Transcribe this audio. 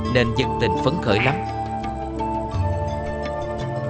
nên dân tình phấn khởi lại đồng sen